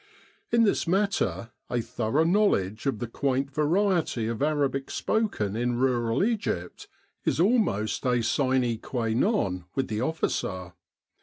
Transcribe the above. In this matter a thorough knowledge of the quaint variety of Arabic spoken in rural Egypt is almost a sine qua non with the officer.